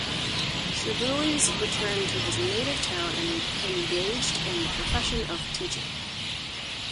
Cherbuliez returned to his native town and engaged in the profession of teaching.